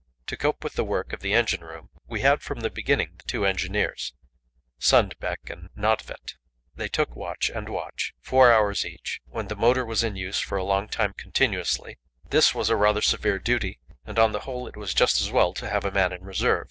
To cope with the work of the engine room, we had from the beginning the two engineers, Sundbeck and Nödtvedt; they took watch and watch, four hours each. When the motor was in use for a long time continuously, this was a rather severe duty, and on the whole it was just as well to have a man in reserve.